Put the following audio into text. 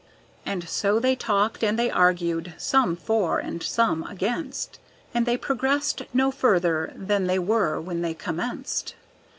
And so they talked and they argued, some for and some against, And they progressed no further than they were when they commenced.